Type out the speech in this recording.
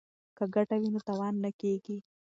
که ګټه وي نو تاوان نه کیږي.